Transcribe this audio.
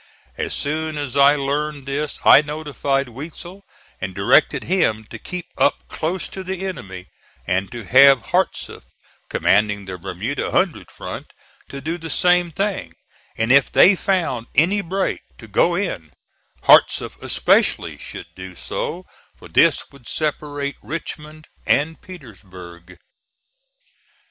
As soon as I learned this I notified Weitzel and directed him to keep up close to the enemy and to have Hartsuff, commanding the Bermuda Hundred front, to do the same thing, and if they found any break to go in; Hartsuff especially should do so, for this would separate Richmond and Petersburg.